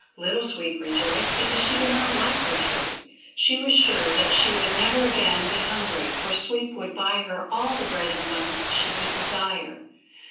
Little Sweep rejoiced because she did not like her trade; she was sure that she would never again be hungry, for Sweep would buy her all the bread and buns she could desire.